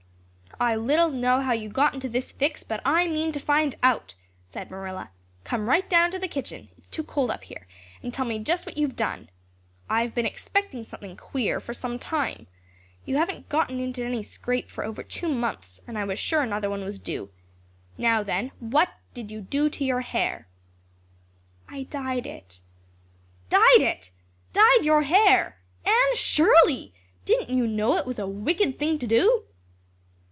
"I little know how you got into this fix, but I mean to find out," said Marilla. "Come right down to the kitchen it's too cold up here and tell me just what you've done. I've been expecting something queer for some time. You haven't got into any scrape for over two months, and I was sure another one was due. Now, then, what did you do to your hair?" "I dyed it." "Dyed it! Dyed your hair! Anne Shirley, didn't you know it was a wicked thing to do?"